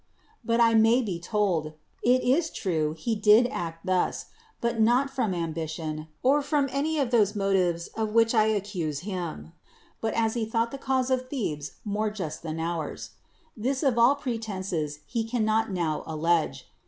But I may be told : It is true, he did act thus ; but not from ambition, or from any of those motives of which I accuse him ; but as he thought the cause of Thebes more just than ours. This of all pretenses he cannot now allege.